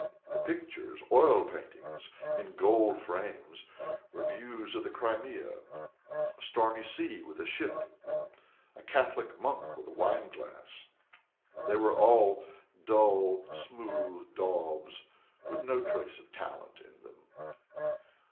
The pictures, oil paintings in gold frames, were views of the Crimea a stormy sea with a ship, a Catholic monk with a wineglass; they were all dull, smooth daubs, with no trace of talent in them.